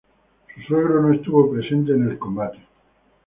Su suegro no estuvo presente en el combate.